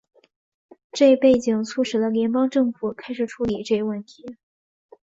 这一背景促使了联邦政府开始处理这一问题。